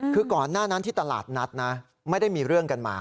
คือก่อนหน้านั้นที่ตลาดนัดนะไม่ได้มีเรื่องกันมา